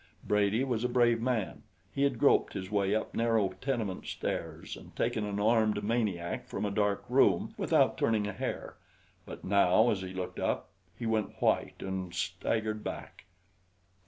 Brady was a brave man. He had groped his way up narrow tenement stairs and taken an armed maniac from a dark room without turning a hair; but now as he looked up, he went white and staggered back.